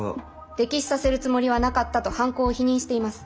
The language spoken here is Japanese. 溺死させるつもりはなかったと犯行を否認しています。